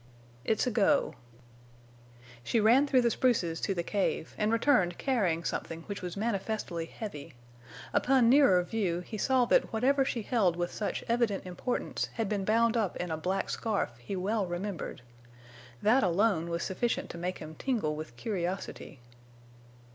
"It's a go." She ran through the spruces to the cave, and returned carrying something which was manifestly heavy. Upon nearer view he saw that whatever she held with such evident importance had been bound up in a black scarf he well remembered. That alone was sufficient to make him tingle with curiosity.